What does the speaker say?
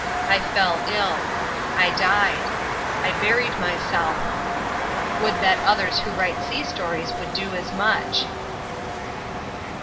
I fell ill. I died. I buried myself. Would that others who write sea stories would do as much.